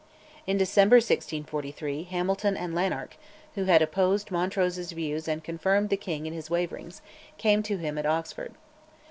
In December 1643, Hamilton and Lanark, who had opposed Montrose's views and confirmed the king in his waverings, came to him at Oxford.